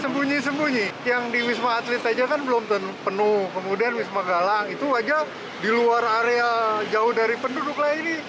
sembunyi sembunyi yang di wisma atlet saja kan belum penuh kemudian wisma galang itu aja di luar area jauh dari penduduk lainnya